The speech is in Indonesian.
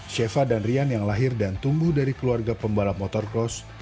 sheva dan rian yang lahir dan tumbuh dari keluarga pembalap motor cross